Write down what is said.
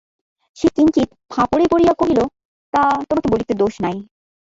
সে কিঞ্চিৎ ফাঁপরে পড়িয়া কহিল, তা, তোমাকে বলিতে দোষ নাই।